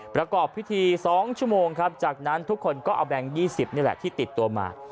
ประกอบพิธี๒ชั่วโมงครับจากนั้นทุกคนก็เอาแบงค์๒๐นี่แหละที่ติดตัวมา